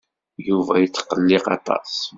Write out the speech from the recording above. Yuba yetqelliq aṭas.